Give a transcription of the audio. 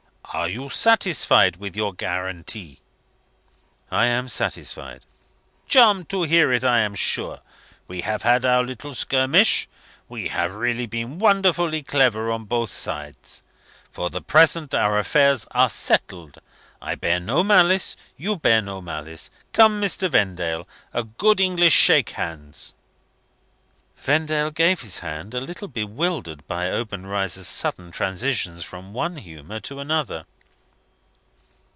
"Are you satisfied with your guarantee?" "I am satisfied." "Charmed to hear it, I am sure. We have had our little skirmish we have really been wonderfully clever on both sides. For the present our affairs are settled. I bear no malice. You bear no malice. Come, Mr. Vendale, a good English shake hands." Vendale gave his hand, a little bewildered by Obenreizer's sudden transitions from one humour to another.